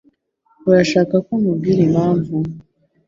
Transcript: Urashaka ko nkubwira impamvu?